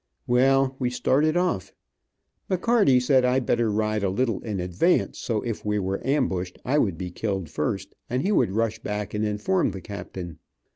Well, we started off. McCarty said I better ride a little in advance so if we were ambushed, I would be killed first, and he would rush back and inform the captain.